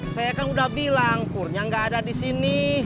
saya kan udah bilang kurnya nggak ada di sini